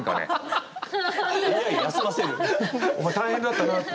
お前大変だったなって。